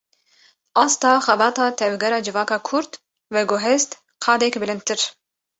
Asta xebata tevgera civaka kurd, veguhest qadek bilindtir